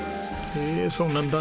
へえそうなんだ。